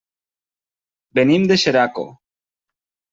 Venim de Xeraco.